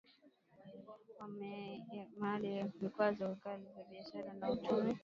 wameiwekea Mali vikwazo vikali vya biashara na kiuchumi